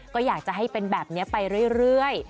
ก็อยากจะให้เป็นแบบนี้ไปเรื่อย